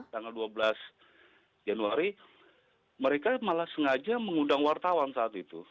tanggal dua belas januari mereka malah sengaja mengundang wartawan saat itu